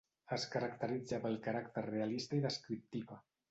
Es caracteritza pel caràcter realista i descriptiva.